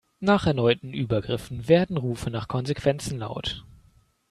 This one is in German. Nach erneuten Übergriffen werden Rufe nach Konsequenzen laut.